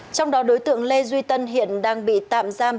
trong đó đối tượng lê duy tân hiện đang bị tạm giam